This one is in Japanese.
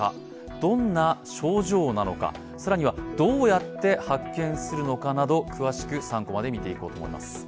どんな症状なのか、更にはどうやって発見するのかなど詳しく３コマで見ていこうと思います。